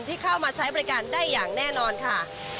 ที่เข้ามาใช้บริการได้อย่างแน่นอนค่ะ